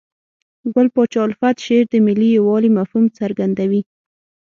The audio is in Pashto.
ګل پاچا الفت شعر د ملي یووالي مفهوم څرګندوي.